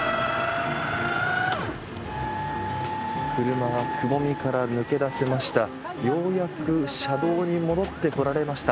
車がくぼみから抜け出せました。